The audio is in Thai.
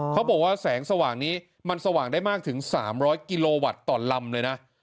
เขาบอกว่าแสงสว่างนี้มันสว่างได้มากถึง๓๐๐กิโลวัตต์ต่อลำเลยนะ